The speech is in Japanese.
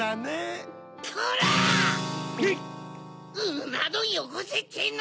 うなどんよこせっての！